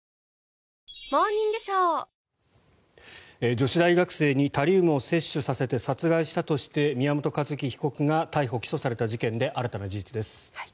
⁉女子大学生にタリウムを摂取させて殺害したとして宮本一希被告が逮捕・起訴された事件で新たな事実です。